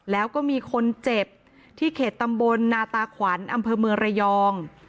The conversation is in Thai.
แล้วก็มีคนเจ็บที่เขตตำบลนาตาขวัญอำเภอเมืองระยอง